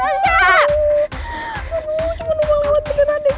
aduh cuman gue mau kelewat beneran nih